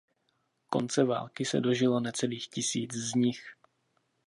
Konce války se dožilo necelých tisíc z nich.